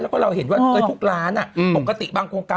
แล้วก็เราเห็นว่าทุกร้านปกติบางโครงการ